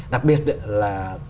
đặc biệt là